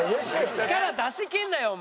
力出し切んなよお前。